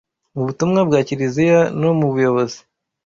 mu butumwa bwa Kiliziya no mu buyobozi